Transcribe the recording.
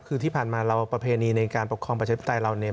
คือที่ผ่านมาเราประเพณีในการปกครองประชาธิปไตยเราเนี่ย